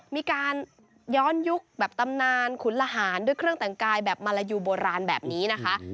มีการย้อนยุคแบบตำนานขุนละหารด้วยเครื่องแต่งกายแบบมาลายูโบราณแบบนี้นะคะ